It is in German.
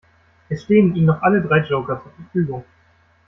Es stehen Ihnen noch alle drei Joker zur Verfügung.